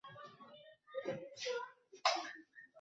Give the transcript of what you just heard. ليس مؤخرا